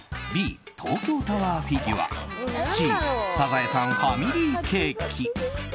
Ｂ、東京タワーフィギュアＣ、サザエさんファミリーケーキ。